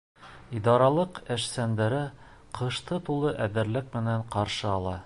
Идаралыҡ эшсәндәре ҡышты тулы әҙерлек менән ҡаршы ала.